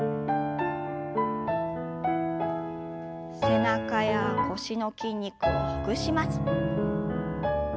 背中や腰の筋肉をほぐします。